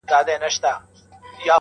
هغې ويله ځمه د سنگسار مخه يې نيسم,